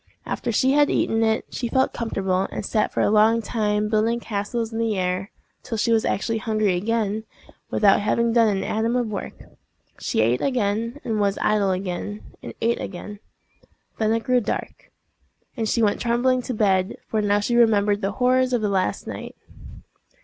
After she had eaten it, she felt comfortable, and sat for a long time building castles in the air—till she was actually hungry again, without having done an atom of work. She ate again, and was idle again, and ate again. Then it grew dark, and she went trembling to bed, for now she remembered the horrors of the last night.